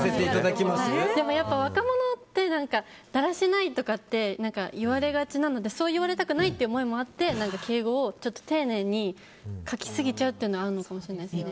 でもやっぱり若者ってだらしないとかって言われがちなのでそういわれたくない思いもあって敬語を丁寧に書きすぎちゃうっていうのはあるのかもしれないですね。